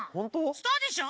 スターでしょ？